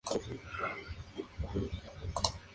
Acuerdan el lugar donde se realizará la comida de hermandad.